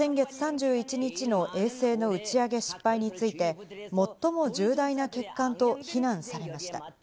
会議では先月３１日の衛星の打ち上げ失敗について、最も重大な欠陥と非難されました。